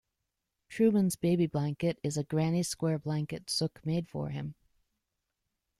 Truman's baby blanket is a "granny square" blanket Sook made for him.